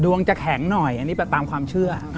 จะแข็งหน่อยอันนี้แบบตามความเชื่อ